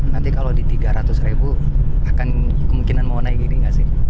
nanti kalau di rp tiga ratus akan kemungkinan mau naik gini gak sih